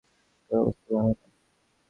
তোর অবস্থা ভালো না।